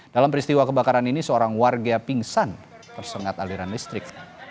dalam peristiwa kebakaran ini seorang warga pingsan tersengat aliran listrik